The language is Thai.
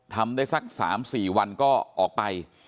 ทำได้สักสามสี่วันก็ออกไป